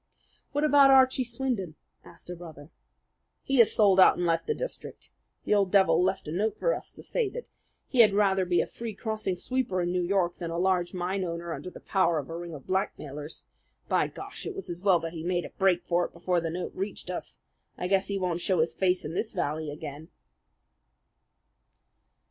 "What about Archie Swindon?" asked a brother. "He has sold out and left the district. The old devil left a note for us to say that he had rather be a free crossing sweeper in New York than a large mine owner under the power of a ring of blackmailers. By Gar! it was as well that he made a break for it before the note reached us! I guess he won't show his face in this valley again."